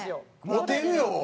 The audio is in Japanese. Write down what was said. モテるよ！